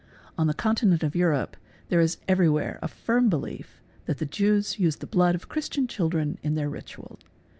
On the Continent of Europe there is everywhere a firm belief that the Jews — use the blood of Christian children in their ritual.